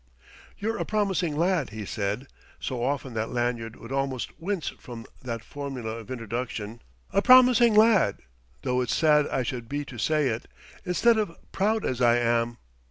"You're a promising lad," he said so often that Lanyard would almost wince from that formula of introduction "a promising lad, though it's sad I should be to say it, instead of proud as I am.